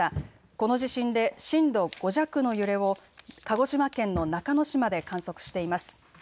この地震で震度５弱の揺れを鹿児島県の中之島で観測しています。